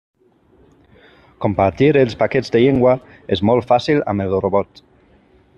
Compartir els paquets de llengua és molt fàcil amb el robot.